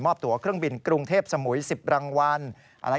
อบตัวเครื่องบินกรุงเทพสมุย๑๐รางวัลอะไร